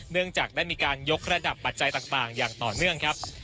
เนื่องจากได้มีการยกระดับปัจจัยต่างอย่างต่อเนื่องครับ